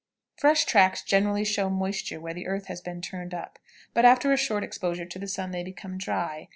Fresh tracks generally show moisture where the earth has been turned up, but after a short exposure to the sun they become dry.